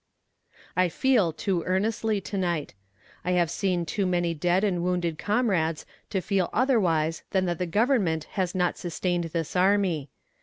"I feel too earnestly to night. I have seen too many dead and wounded comrades to feel otherwise than that the Government has not sustained this army.